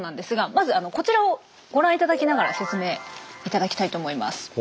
まずこちらをご覧頂きながら説明頂きたいと思います。